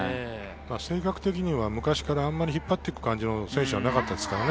性格的には昔からあんまり引っ張っていく感じの選手じゃなかったですからね。